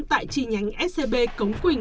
tại trì nhánh scb cống quỳnh